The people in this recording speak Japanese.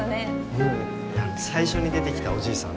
うん最初に出てきたおじいさん